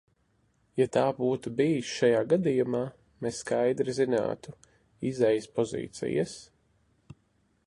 Ja tā būtu bijis šajā gadījumā, mēs skaidri zinātu izejas pozīcijas.